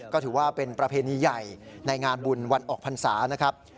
ก็ถือว่าเป็นประเพณีใหญ่ในงานบุญวันออกพรรษานะครับ